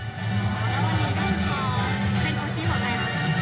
โรคชี้ของใครครับ